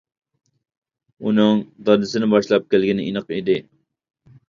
ئۇنىڭ دادىسىنى باشلاپ كەلگىنى ئېنىق ئىدى.